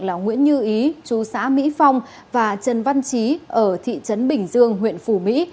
là nguyễn như ý chú xã mỹ phong và trần văn trí ở thị trấn bình dương huyện phù mỹ